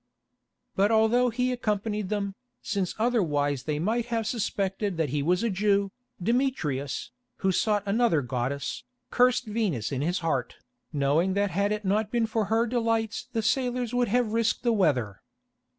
But although he accompanied them, since otherwise they might have suspected that he was a Jew, Demetrius, who sought another goddess, cursed Venus in his heart, knowing that had it not been for her delights the sailors would have risked the weather.